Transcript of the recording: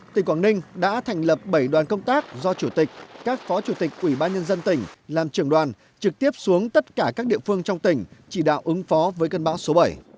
tỉnh quảng ninh đã thành lập bảy đoàn công tác do chủ tịch các phó chủ tịch ubnd tỉnh làm trường đoàn trực tiếp xuống tất cả các địa phương trong tỉnh chỉ đạo ứng phó với cơn bão số bảy